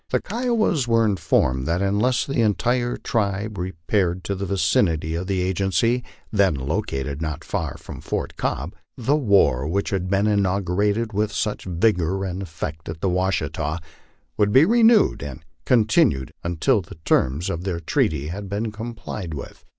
The Kiowas were informed that unless the entire tribe repaired to the vicinity of the agency, then located not far from Fort Cobb, the war, which had been inaugurated with such vigor and effect at the Washita, would be renewed and continued until the terms of their treaty had been complied with.